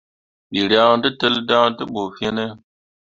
Wǝ ryaŋ tellah dan te ɓu fine ?